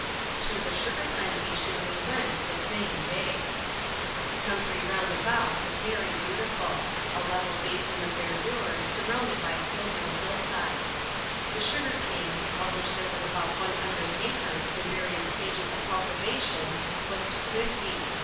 To the sugar plantation we went the same day. The country roimd about was very beautiful : a level basin of verdure, surrounded by sloping hillsides. The sugar cane — of which there was about one hundred acres, in various stages of cultivation — looked thrifty.